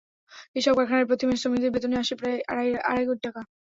এসব কারখানায় প্রতি মাসে শ্রমিকদের বেতনই আসে প্রায় আড়াই কোটি টাকা।